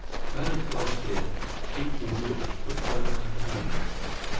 Madame Forestier, deeply moved, took her hands.